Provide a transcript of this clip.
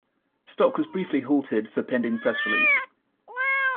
Stock was briefly halted for pending press release.